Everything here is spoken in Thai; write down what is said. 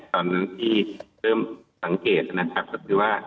ตอนที่เริ่มสังเกตนะครับหรือว่า